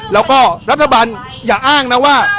แล้วก็รัฐบาลอย่าอ้างนะว่า